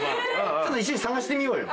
ちょっと一緒に探してみようよ。